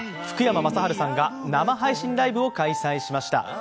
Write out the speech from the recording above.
福山雅治さんが生配信ライブを開催しました。